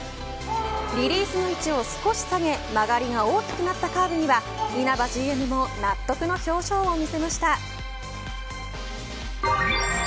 リリースの位置を少し下げ曲がりが大きくなったカーブには稲葉ＧＭも納得の表情を見せました。